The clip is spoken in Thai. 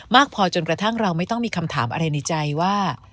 มากพอจนกระทั่งเราไม่ต้องมีคำถามอะไรในใจว่า